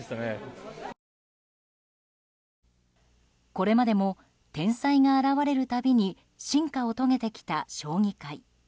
これまでも天才が現れるたびに進化を遂げてきた将棋界。